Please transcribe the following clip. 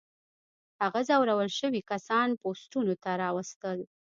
هغه ځورول شوي کسان پوستونو ته راوستل.